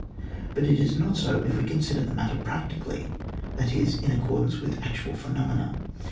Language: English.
But it is not so if we consider the matter prac tically, that is in accordance with actual phenomena.